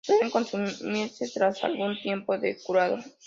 Suelen consumirse tras algún tiempo de curado.